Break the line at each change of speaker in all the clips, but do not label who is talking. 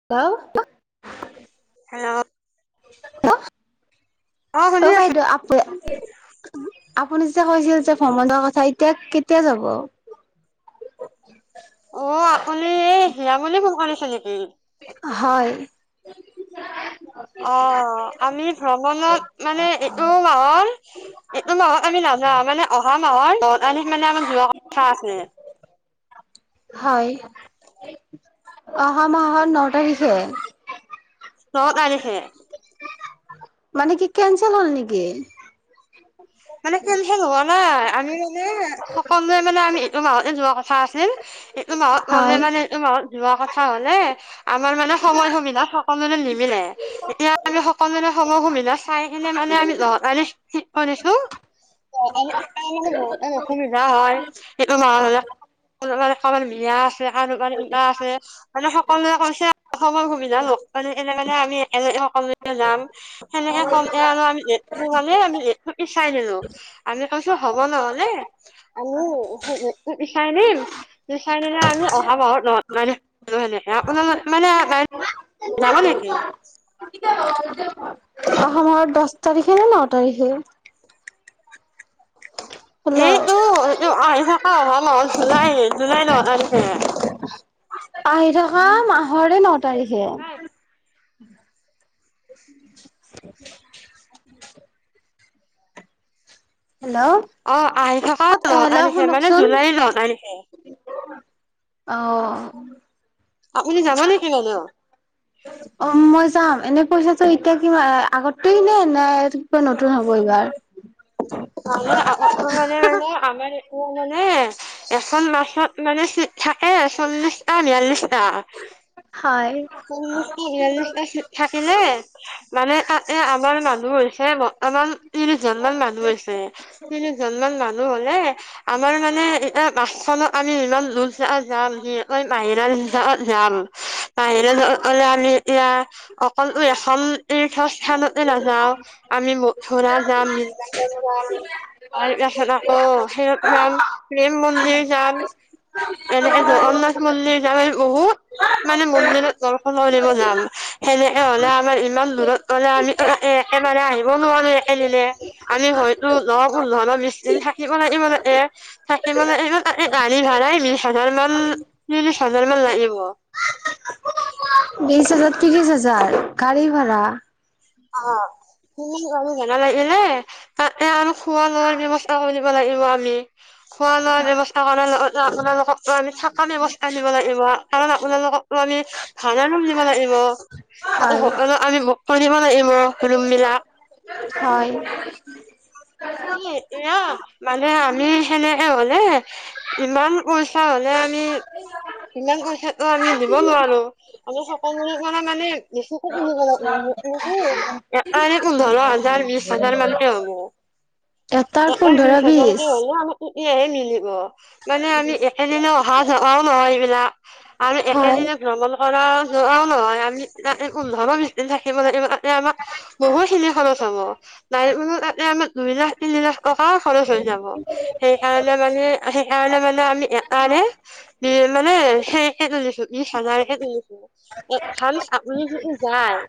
Hello
hello.
[unintelligible]
অ
ক
শুনি আছো
বাইদেউ আপ। আপুনি যেতিয়া কৈছিল যে ভ্ৰমণৰ কথা এতিয়া কেতিয়া যাব।
অ' আপুনি এই হীৰামনী ফোন কৰিছে নেকি।
হয়।
অ'আমি ভ্ৰমণত মানে এইটো মাহৰ এইটো মাহত আমি নাযাওঁ মানে অহা মাহত ন তাৰিখ মানে আমাৰ যোৱা কথা আছিলে।
হয়, অহা মাহত। নট আহিছে।
ন' তাৰিখে।
মানে কি কেনঞ্চেল হ'ল নেকি?
মানে কেনচেল হোৱা নাই, আমি মানে সকলোৱে মানে আমি এইটো মাহতে যোৱা কথা আছিল। এইটো মাহত গলে
হয়
মানে, এইটো মাহত যোৱা কথা হলে, আমাৰ মানে সময় সুবিধা সক মানে নিমিলে। এতিয়া আমি সকলোৰে সময় সুবিধা চাই কিনে মানে, আমি লগ মানে ঠিক কৰিছো। বহুত অসুবিধা হয়, সেইটো ন, কাবাৰ বিয়া। আছে কাৰোবাৰ কিবা আছে, মানে সকলোৱে কৈছে সময় সুবিধা এনে। আমি এনেকে কম যাম সেনেকে কম আৰু আমি, আমি চাই দিলোঁ, আমি কৈছো হব নহলে আমি বিচাই নিম। বিচাৰি নিলে আমি অহা মা ন মানে [unintelligible] মানে। যাবা নেকি?
[unintelligible] অহা মাহৰ দহ তাৰিখে নে, ন' তাৰিখে? হেল্ল'
এইটো এইটো আহি থকা অহা মাহৰ জুলাই, জুলাই ন' তাৰিখে।
আহি থকা মাহৰে ন' তাৰিখে।
[unintelligible] [unintelligible]
হেল্ল'?
অ' আহি থকা ন'
হেল্ল'
তাৰিখে, মানে
শুনকচোন
জুলাই ন' তাৰিখে।
অ'।
আপুনি যাবা নেকি লগত?
অ' মই যাম, এনেই পইচাটো এতিয়া কিমান ত এনে নাই, কিবা নতুন হ'ব এইবাৰ।
আমাৰ আ মানে মানে আমাৰ এ মানে। এখন বাছত মানে, চি থাকে, চল্লিশটা বিৰাল্লিছটা,
হয়
চল্লিশটা বিয়াল্লিছটা। থাকিলে, মানে তাতে আমাৰ মানুহ হৈছে, আমাৰ ত্ৰিশজন মান মানুহ। হৈছে তিনিজনমান মানুহ হলে। আমাৰ মানে এয়া বাছখনত আমি ইমান জো চা যাম। বিশষকৈ বাহিৰা জ জাল। বাহিৰা [unintelligible] অকল এখন তীৰ্থ স্থানতে নাযাওঁ, আমি ঘৰা যাম। যাম, তাৰপিছত আকৌ হেয়ত যাম। প্ৰেম মন্দিৰ যাম। এনে জগন্নাথ মন্দিৰ [unintelligible] মানে মন্দিৰত দৰ্শন কৰিব যাম। সেনেকে হলে আমাৰ ইমান দূৰত। গলে আমি অ' একেবাৰে আহিব নোৱাৰো একেদিনে। আমি হয়তো ন, পোন্ধৰ, বিশ দিন, থাকিব লাগিব তাতে। থাকিব লাগিব মানে গাড়ী ভাড়াই বিশ হাজাৰ মান, ত্ৰিশ হাজাৰ মান লাগিব।
বিশ হাজাৰ, ত্ৰিশ হাজাৰ গাড়ী ভাড়া?
অ'। উম' আৰু ভাড়া লাগিলে, তাতে আৰু খোৱা লোৱাৰ ব্যৱস্থা কৰিব লাগিব আমি। খোৱা লোৱা ব্যৱস্থা কাৰণে আপোনালোকক মানে থাকা ব্যৱস্থা নিব লাগিব। কাৰণ আপোনালোকক ত' আমি ভাৰা ৰুম দিব লাগিব, আৰু
হয়
সকলো আমি [unintelligible] কৰি দিব লাগিব ৰুম বিলাক।
হয়!
মানে আমি সেনেকে হলে, ইমান পইচা হ'লে আমি ইমান পইচাটো আমি দিব নোৱাৰো। আমি সকলোৰে কাৰণে মানে বেছিকে কিনিব লাগিব [unintelligible] জাৰ বিশ হাজাৰ মানকে হ'ব।
এটাৰ
অকল
পোন্ধৰ
বিশ হাজাৰকৈ হ'লেও [unintelligible] তেতিয়াহে মিলিব মানে আমি একেদিনাই অহা যোৱাও নহয় এইবিলাক। আৰু
হয়
একেদিনাই ভ্ৰমণ কৰা আও যোৱাও নহয় আমি তাতে পোন্ধৰ বিছদিন থাকিব লাগিব, তাতে আমাক বহুতখিনি খৰছ হ'ব নাই মানে তাতে আমাৰ দুই লাখ তিনি লাখ টকা খৰচ হৈ যাব। সেইকাৰণে মানে সেইকাৰণে মানে আমি [unintelligible] ই মানে সেইকে তুলিছো বিছ হাজাৰকৈ তুলিছো। এডভান্স আপুনি যদি যায়।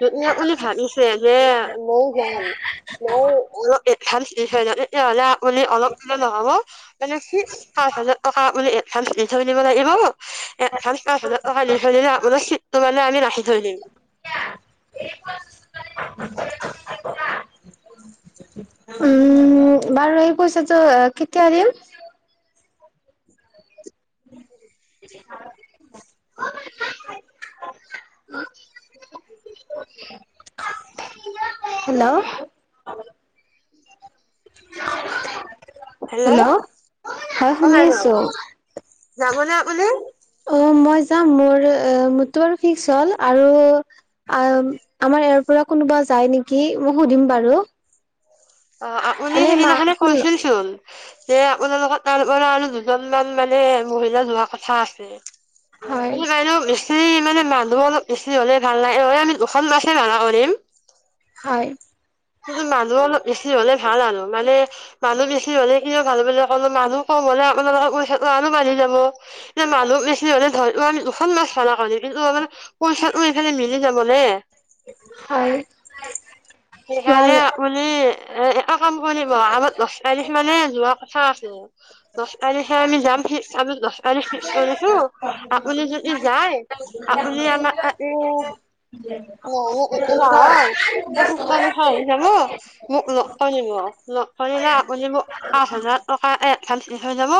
যদি আপুনি ভাবিছে যে মইও যাম, ময়ো অলপ এডভান্স দি থৈ যাওঁ তেতিয়া হ'লে আপুনি অলপ‌ দিলে নহ'ব মানে কি পাঁচ হাজাৰ টকা আপুনি এডভান্স দি থৈ যাব লাগিব এডভান্স পাঁচ হাজাৰ টকা দি থৈ দিলে আপোনাৰ ছিটটো মানে আমি ৰাখি থৈ দিম।
[inaudible] উম বাৰু এই পইচাটো কেতিয়া দিম। [inaudible]
[inaudible]
হেল্ল'!
হেল্ল' অ'
হয় শুনি
বাইদেউ
আছো
যাবনে আপুনি?
অ' মই যাম মোৰ মোৰটো আৰু ফিক্স হ'ল আৰু আও আমাৰ ইয়াৰ পৰা কোনোবা যায় নেকি মই সুধিম বাৰু।
অ' আপুনি
এনেই মা
সেইদিনাখোনে
শুন
কৈছিল চোন। যে আপোনাৰ লগত [unintelligible] দুজনমান মানে মহিলা যোৱাৰ কথা আছে।
হয়
[inaudible] এই মানে মানু্হ অলপ বেছি হ'লে ভাল লাগে আমি দুখন বাছেই অৰ্ডাৰ কৰি দিম
হয়।
কিন্তু মানুহ অলপ বেছি হ'লে ভাল আৰু মানে মানুহ বেছি হ'লে কিয় ভাল বুলি ক'‌লো মানুহ কম হ'লে আপোনালোকৰ পইচা আৰু মানুহ যাব, এতিয়া মানুহ বেছি হ'লে ধৰিল আমি দুখন বাছ অৰ্ডাৰ কৰিলোঁ [unintelligible] টো এইফালে মিলি যাব নে?
হয়। বাৰ
সেইকাৰণে আপুনি এ এটা কাম কৰিব আমাৰ দছ তাৰিখ মানে যোৱা কথা আছে। দহ তাৰিখে আমি যাম ফিক্স আমি দহ তাৰিখ ফিক্স কৰিছোঁ আপুনি যদি যায়‌। আপুনি আমাক আৰু [inaudible] হেল্ল' মোক লগ কৰিব লগ কৰিলে আপুনি মোক পাঁচ হাজাৰ টকা এডভান্স ভান্স দি থৈ যাব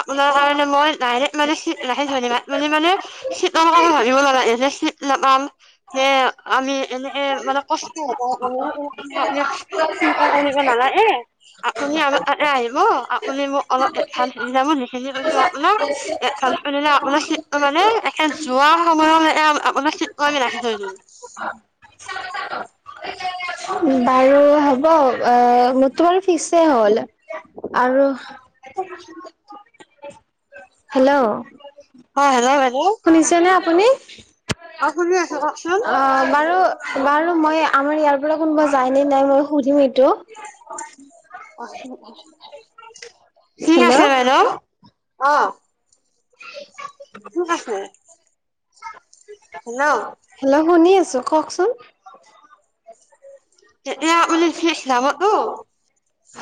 আপোনাৰ কাৰণে মই ডাইৰেক্ট মানে ছিট ৰাখি থৈ দিম, আপুনি মানে ছিটৰ কথা ভাবিব নালাগে যে ছিট নাপাম যে আমি এনেকে মানে কষ্ট হ'ব [unintelligible] চিন্তা কৰিব নালাগে। আপুনি আগতে আহিব আপুনি মোক অলপ এডভান্স দি যাম সিখিনি কৈছো আপোনাক। [unintelligible]
বাৰু হ'ব অ' মোৰতো বাৰু ফিক্সে এ হ'ল আৰু [inaudible] হেল্ল'।
অ' হেল্ল, হেল্ল
শুনিছেনে আপুনি?
অ' শুনি আছোঁ কওক।
অ' বাৰু বাৰু মই আমাৰ ইয়াৰ পৰা কোনোবা যায়নে নাই মই সুধিম এইটো।
ঠিক আছে
হেল্ল'
বাৰু অ' ক'ত আছে? হেল্ল।
হেল্ল' শুনি আছোঁ কওকচোন।
[unintelligible]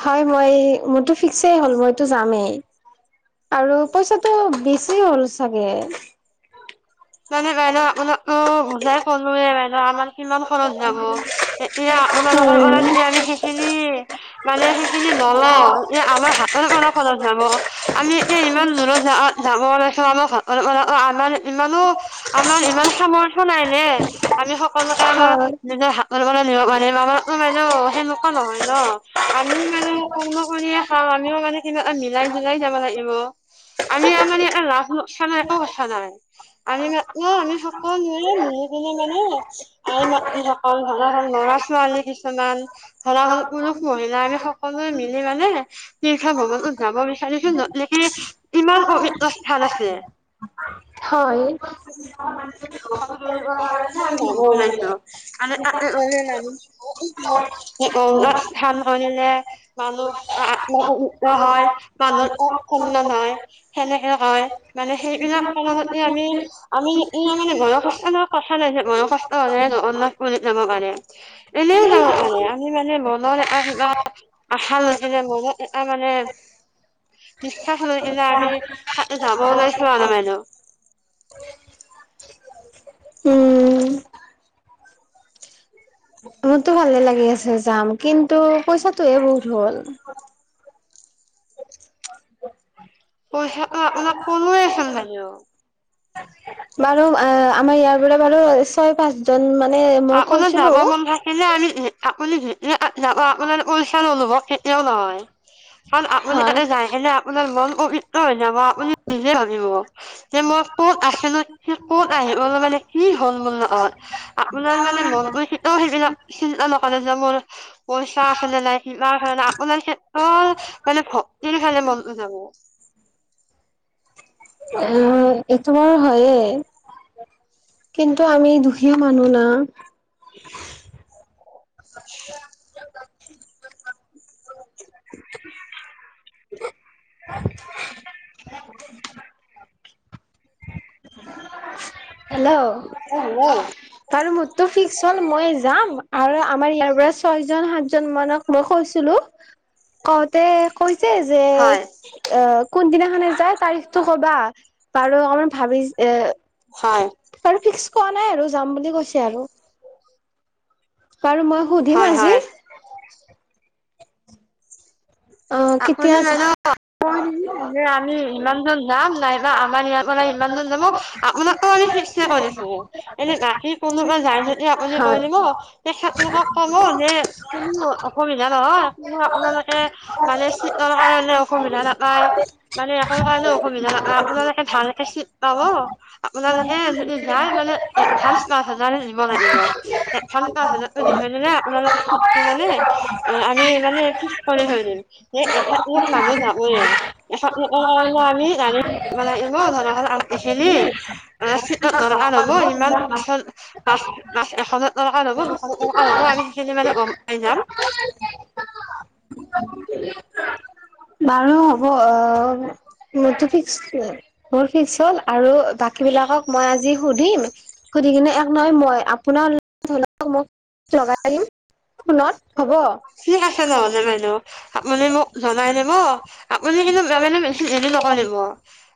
হয় মই মোৰতো ফিক্সই হ'ল মইতো যামেই। আৰু পইচাটো বেছি হ'ল চাগে।
[unintelligible] আমাৰ কিমান খৰত যাব। এতিয়া আপোনালোকৰ কাৰণে আমি সেইখিনি। মানে সেইখিনি নলওঁ এ আমাৰ হাতৰ পৰা খৰচ যায়। [unintelligible] আমাৰ ইমান সামৰ্থ নাই নে আমি সকলো আমাৰ সকলোতে আমাৰ
হয়।
নিজৰ [unintelligible] সেনেকুৱা নহয় ন' আমিও মানে কৰ্ম কৰিয়ে খাওঁ আমিও মানে কিবা এটা মিলাই জুলাই যাব লাগিব। আমি আমাৰ ইয়াতে লাভ‌ লোকচান একো কথা নাই। আমি অ' আমি সকলোৰে মিলি পিনে মানে [unintelligible] লৰা ছোৱালী কিছুমান। ধৰা হ'ল পুৰুষ মহিলা আমি সকলোৱে মিলি মানে তীৰ্থ ভ্ৰৱন টোত যাব বিচাৰিছো য'ত কিমান পবিত্ৰ স্থান আছে।
হয়।
[unintelligible] [unintelligible] [unintelligible] সেনেকে হয় মানে সেইবিলাক কাৰণতে আমি আমি ই মানে বয়সস্থৰ লগত কথা নাই যে মনৰ কষ্ট হ'লেহে [unintelligible] যাব পাৰে। এনেও যাওঁ মানে আমি মানে মনৰ এটা কিবা [unintelligible] আশা লৈ পেলাই মনত এটা মানে বিশ্বাস লৈ কেনে আমি তাতে যাব ওলাইছিলো আৰু
উম
[inaudible]
মোৰতো ভালে লাগি আছে যাম। কিন্তু পইচাটোহে বহুত হ'ল।
পইচাটো আপোনাক ক'লোৱে চোন বাইদেউ।
বাৰু আ আমাৰ ইয়াৰ পৰা বাৰু ছয় পাঁচজন মানে মই কৈছিলো
সিদিনা আপুনি যি দিনা যাব আপোনাৰ পইছাৰ অনুভৱ কেতিয়াও নহয়। কাৰণ আপুনি
হয়
তাতে যায় কেনে আপোনাৰ মন পবিত্ৰ হৈ যাব আপুনি নিজে ভাবিব। যে মই ক'ত আছিলো এতিয়া ক'ত আহি গলোঁ মানে কি হ'ল মোৰ লগত। [unintelligible] মানে মনটোৱে কেতিয়াও সেইবিলাক চিন্তা নকৰে যে মোৰ পইচা আছে নে নাই [unintelligible] কাৰণে আপোনাৰ কেৱল মানে ভক্তিৰ কাৰণে মনটো যাব।
উম এইটো বাৰু হয়ে। কিন্তু আমি দুখীয়া মানুহ না। [inaudible]
[inaudible]
হেল্ল'! আৰু মোৰটো ফিক্স হ'ল মই যাম আৰু আমাৰ ইয়াৰ পৰা ছয় জন সাতজন মানক মই কৈছিলো কওঁতে কৈছে যে
হয়
অ' কোনদিনাখনে যায় তাৰিখটো ক'বা। বাৰু অকমান ভাবিছ এ
হয়
আৰু ফিক্স কৰা নাই আৰু যাম বুলি কৈছে আৰু। বাৰু মই সুধিম
হয়
আজি।
হয়
আহ কেতিয়া
[unintelligible] [unintelligible] আমি ইমানজন যাম নাইবা আমাৰ ইয়াৰপৰা ইমানজন যাব আপোনাকটো আমি ফিক্সে কৰি লৈছোঁ। এনে বাকী কোনোবা যায় যদি আপুনি কৈ
হয়
দিব। তেখেতলোকক ক'ব যে কোনো অসুবিধা নহয় সেইকাৰণে আপোনালোকে মানে চিটৰ কাৰণে অসুবিধা নাপায় মানে [unintelligible] কাৰণে অসুবিধা নাপায়। আপোনালোকে ভালকে চিট পাব। আপোনালোকে যদি যাই মানে এ ভাল [unintelligible] দিব লাগিব। এডভান্স পাঁচ হাজাৰটো দি থৈ দলে আপোনালোকে চিটটো পালে। এ আমি মানে ফিক্স কৰি থৈ দিম। যে এখেতলোক মানুহ যাবই। এখেত লোকৰ কাৰণে আমি [unintelligible] [unintelligible] [unintelligible]
বাৰু হ'ব অ'। মোৰটো ফিক্স। মোৰ ফিক্স হ'ল আৰু বাকী বিলাকক মই আজি সুধিম সুধি কিনে এক নহয় মই আপোনাৰ [unintelligible] মোক লগাই দিম ফোনত হ'ব
ঠিক আছে নহ'লে বাইদেউ। আপুনি মোক জনাই দিব। আপুনি কিন্তু মানে বেছি দেৰি নকৰিব।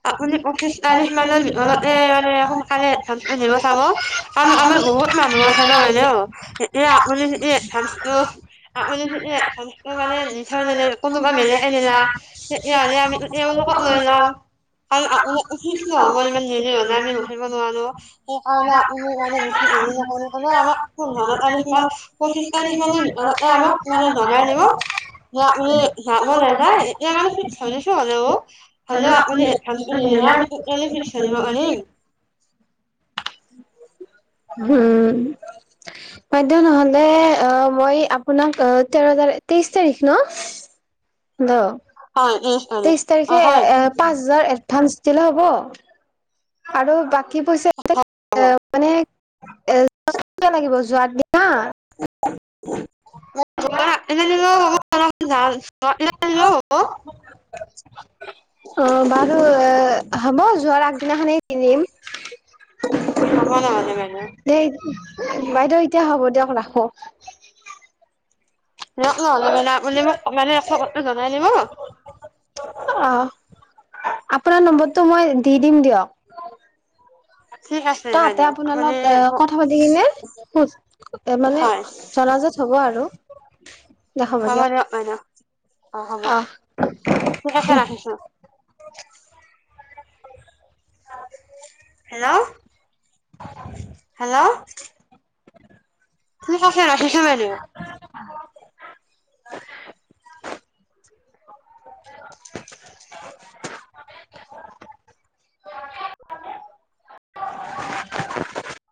আপুনি পঁচিশ তাৰিখ মানৰ ভিতৰতে মানে সোনকালে [unintelligible] চাব কাৰণ আমাৰ বহুত মানুহ আহে ন বাইদেউ। এতিয়া আপুনি যদি [unintelligible] কোনোবা [unintelligible] তেতিয়াহ'লে আমি তেওঁলোকক লৈ ল'ম। [unintelligible] তেনেহ'লে আমাৰ পোন্ধৰ তাৰিখ নে পঁচিশ তাৰিখ মানৰ ভিতৰতে আমাক মানে জনাই দিব। যে আপুনি যাব নে নাযায়। নাই এতিয়া [unintelligible] হ'লেও আপুনি এডভান্সটো দিলেহে আমি তেতিয়ালে ৰিব পাৰিম।
হম। বাইদেউ নহ'লে অ' মই আপোনাক, অ' তেৰ তাৰিখ তেইশ তাৰিখ ন? তেইশ তাৰিখে এ পাঁচ হাজাৰ এডভাঞ্চ দিলে হ'ব? আৰু বাকী পইচা
[inaudible]
এ মানে [unintelligible] লাগিব যোৱাৰ দিনা।
যোৱাৰ আগদিনা দিলেও হ'ব [unintelligible] দিলেও হ'ব।
অ, বাৰু এ হ'ব যোৱাৰ আগদিনাখনে কিনিম।
[unintelligible] [unintelligible]
দেই, বাইদেউ এতিয়া হ'ব দিয়ক ৰাখো।
ৰক নহ'লে মানে আপুনি মোক [unintelligible] [unintelligible] জনাই দিব।
অ' আপোনাৰ নম্বৰটো মই দি দিম দিয়ক। তাতে আপোনালোক এ কথা পাতি কিনে খোজ এ মানে জনাজাত হ'ব আৰু।
হ'ব দিয়ক বাৰু। অ, হ'ব
অ'
ঠিক আছে ৰাখিছোঁ। হেল্ল! '
[unintelligible]
হেল্ল'! ঠিক আছে ৰাখিছোঁ বাইদেউ।
[unintelligible]